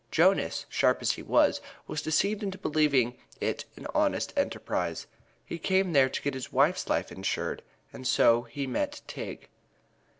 Jonas, sharp as he was, was deceived into believing it an honest enterprise. He came there to get his wife's life insured, and so he met Tigg.